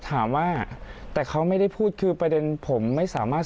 ถามว่าแต่เขาไม่ได้พูดคือประเด็นผมไม่สามารถ